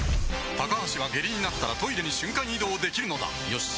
高橋は下痢になったらトイレに瞬間移動できるのだよし。